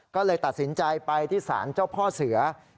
ก็เลยตัดสินใจไปที่ศาลเจ้าพ่อเสือ